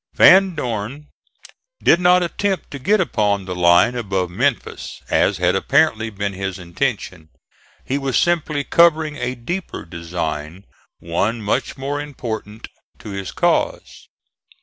Van Dorn did not attempt to get upon the line above Memphis, as had apparently been his intention. He was simply covering a deeper design; one much more important to his cause.